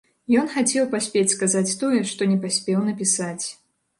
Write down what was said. Ён хацеў паспець сказаць тое, што не паспеў напісаць.